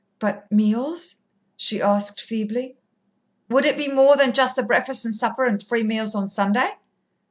"But meals?" she asked feebly. "Would it be more than just the breakfast and supper, and three meals on Sunday?"